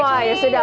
oh ya sudah